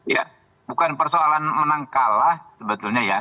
ya bukan persoalan menang kalah sebetulnya ya